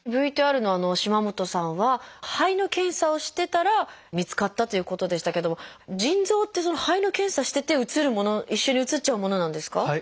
ＶＴＲの島本さんは肺の検査をしてたら見つかったということでしたけれども腎臓って肺の検査してて写るもの一緒に写っちゃうものなんですか？